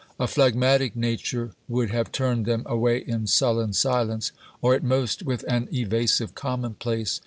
A phlegmatic nature would have turned them away in sullen silence, or at most with an evasive commonplace.